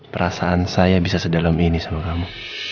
perasaan saya bisa sedalam ini sama kamu